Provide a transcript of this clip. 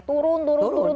turun turun turun